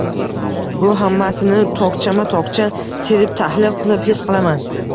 — Bu hammasini tokchama-tokcha terib, tahlil qilib, his qilaman.